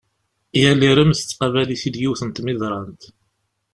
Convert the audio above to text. Yal irem tettqabal-it-id yiwet n tmiḍrant.